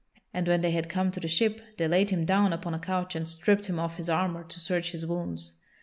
And when they had come to the ship they laid him down upon a couch and stripped him of his armor to search his wounds.